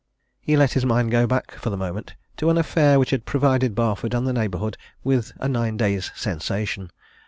He let his mind go back for the moment to an affair which had provided Barford and the neighbourhood with a nine days' sensation.